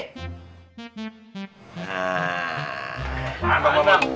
selamat malam bang